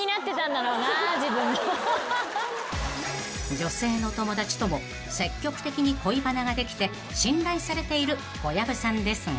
［女性の友達とも積極的に恋バナができて信頼されている小籔さんですが］